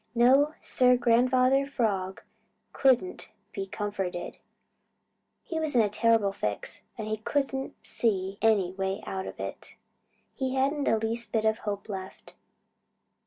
No, Sir, Grandfather Frog couldn't be comforted. He was in a terrible fix, and he couldn't see any way out of it. He hadn't the least bit of hope left.